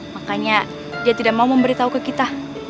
makanya dia tidak mau memberitahu ke kita